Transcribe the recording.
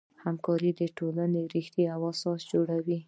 همکاري د ټولنې ریښه او اساس جوړوي.